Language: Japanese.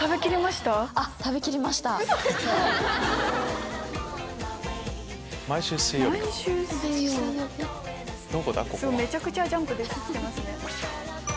すごいめちゃくちゃジャンプしてますね。